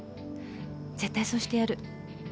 絶対そうしてやる。